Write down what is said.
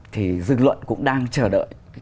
thì dân luận cũng đang chờ đợi